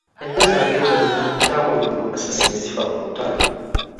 Ente zange zonna zaakubibwa amasasi ne zifa mu lutalo .